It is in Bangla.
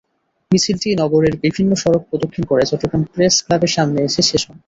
মিছিলটি নগরের বিভিন্ন সড়ক প্রদক্ষিণ করে চট্টগ্রাম প্রেসক্লাবের সামনে এসে শেষ হয়।